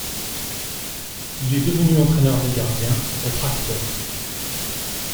Il est devenu entraîneur des gardiens au Traktor.